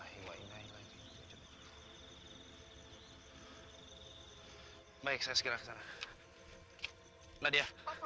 hai baik sesuai